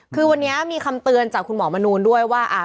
คือวันนี้มีคำเตือนจากคุณหมอมนูนด้วยว่า